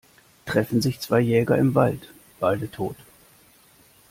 Treffen sich zwei Jäger im Wald - beide tot.